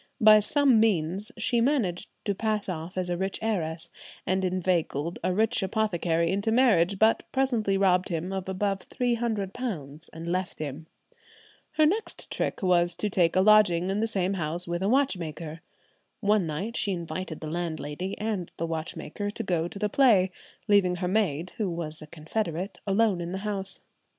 By some means she managed to pass off as a rich heiress, and inveigled a rich apothecary into marriage, but presently robbed him of above £300 and left him. Her next trick was to take a lodging in the same house with a watchmaker. One night she invited the landlady and the watchmaker to go to the play, leaving her maid, who was a confederate, alone in the house.